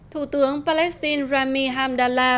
thủ tướng palestine rami hamdallah